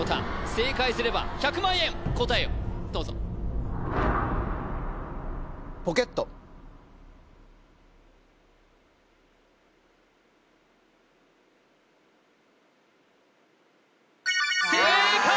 正解すれば１００万円答えをどうぞ正解！